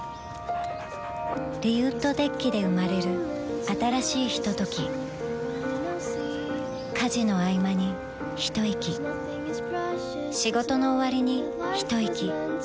リウッドデッキで生まれる新しいひととき家事のあいまにひといき仕事のおわりにひといき